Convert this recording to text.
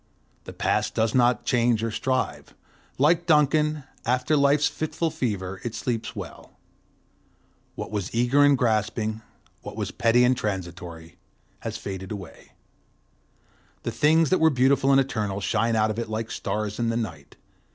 The Past does not change or strive; like Duncan, after life's fitful fever it sleeps well; what was eager and grasping, what was petty and transitory, has faded away, the things that were beautiful and eternal shine out of it like stars in the night.